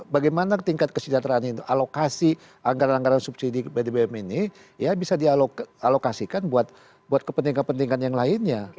bagaimana tingkat kesejahteraan itu alokasi anggaran anggaran subsidi bbm ini ya bisa dialokasikan buat kepentingan kepentingan yang lainnya